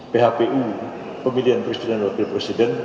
phpu pemilihan presiden dan wakil presiden